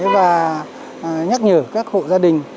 và nhắc nhở các hộ gia đình